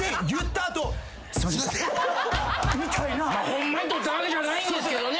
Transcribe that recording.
ホンマに取ったわけじゃないんですけどね。